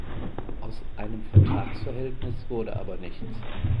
Aus einem Vertragsverhältnis wurde aber nichts.